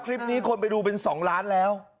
คลิปนี้คนไปดูเป็น๒ล้านแล้ว